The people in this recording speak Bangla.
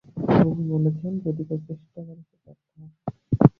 প্রভু বলেছেন, যদি কেউ চেষ্টা করে, সে ব্যর্থ হবে।